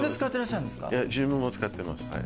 自分も使ってます。